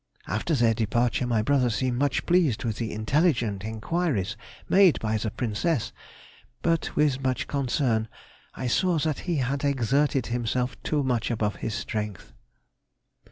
After their departure, my brother seemed much pleased with the intelligent enquiries made by the Princess; but with much concern I saw that he had exerted himself too much above his strength.